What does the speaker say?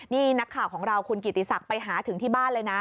นี่นักข่าวของเราคุณกิติศักดิ์ไปหาถึงที่บ้านเลยนะ